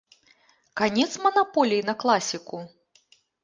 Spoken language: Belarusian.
Канец манаполіі на класіку?